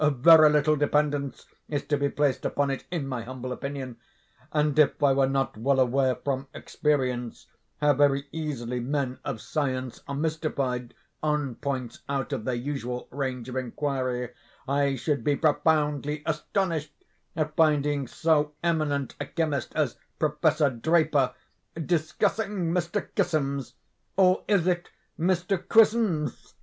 Very little dependence is to be placed upon it, in my humble opinion; and if I were not well aware, from experience, how very easily men of science are mystified, on points out of their usual range of inquiry, I should be profoundly astonished at finding so eminent a chemist as Professor Draper, discussing Mr. Kissam's (or is it Mr. Quizzem's?)